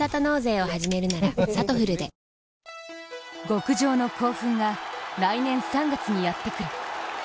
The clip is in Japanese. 極上の興奮が来年３月にやってくる。